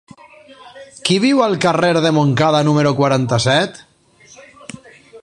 Qui viu al carrer de Montcada número quaranta-set?